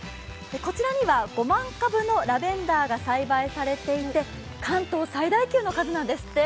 こちらには５万株のラベンダーが栽培されていて関東最大級の数なんですって。